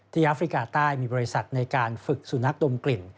แอฟริกาใต้มีบริษัทในการฝึกสุนัขดมกลิ่น